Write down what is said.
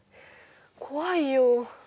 怖いよ。